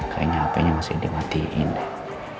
kayaknya hpnya masih dimatiin deh